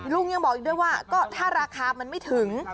ลุงยังบอกอีกด้วยว่าก็ถ้าราคามันไม่ถึง